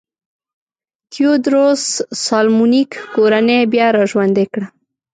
تیوودروس سالومونیک کورنۍ بیا را ژوندی کړه.